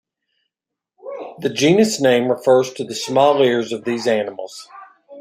The genus name refers to the small ears of these animals.